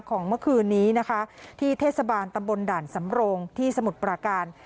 เมื่อคืนนี้นะคะที่เทศบาลตำบลด่านสำโรงที่สมุทรปราการ